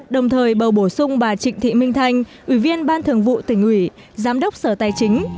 đồng thời bầu bổ sung bà trịnh thị minh thanh ủy viên ban thường vụ tỉnh ủy giám đốc sở tài chính